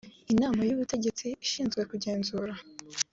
inama y ubutegetsi ishinzwe kugenzura